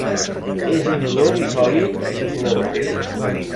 És inodor i sòlid de color blanc.